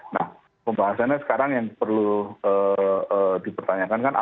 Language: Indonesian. nah pembahasannya sekarang yang perlu dipertanyakan kan